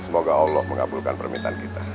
semoga allah mengabulkan permintaan kita